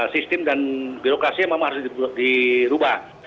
sistem dan birokrasi memang harus dirubah